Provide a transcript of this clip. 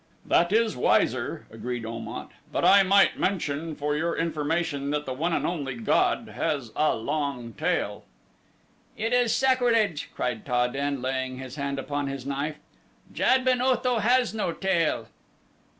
"That is wiser," agreed Om at; "but I might mention, for your information, that the one and only god has a long tail." "It is sacrilege," cried Ta den, laying his hand upon his knife; "Jad ben Otho has no tail!"